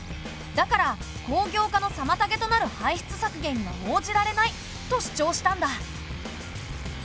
だから工業化のさまたげとなる排出削減には応じられない」と主張したんだ。